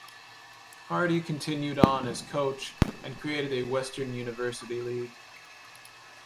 Hardy continued on as coach and created a western university league.